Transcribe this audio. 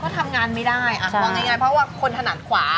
ก็ทำงานไม่ได้มองง่ายเพราะว่าคนถนัดขวา